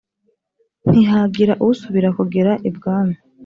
ntihagira usubira kugera ibwami.